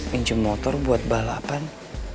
minjem motor buat balapan